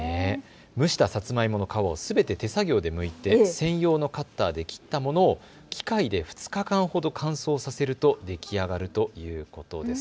蒸したサツマイモの皮をすべて手作業でむいて専用のカッターで切ったものを機械で２日間ほど乾燥させると出来上がるということです。